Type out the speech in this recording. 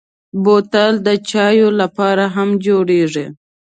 بوتل د چايو لپاره هم جوړېږي.